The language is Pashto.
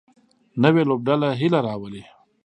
نوې لوبډله هیله راولي